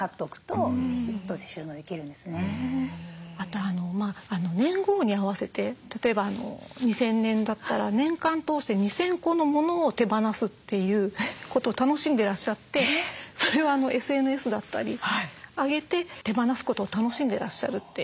あと年号に合わせて例えば２０００年だったら年間通して２，０００個の物を手放すということを楽しんでいらっしゃってそれをＳＮＳだったり上げて手放すことを楽しんでいらっしゃるっていう。